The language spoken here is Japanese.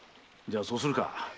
じゃあそうするか！